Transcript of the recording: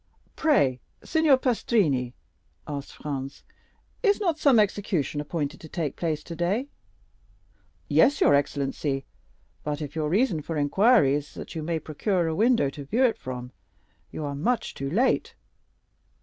"Pray, Signor Pastrini," asked Franz, "is not some execution appointed to take place today?" "Yes, your excellency; but if your reason for inquiry is that you may procure a window to view it from, you are much too late."